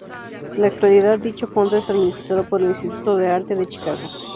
En la actualidad, dicho fondo es administrado por el Instituto de Arte de Chicago.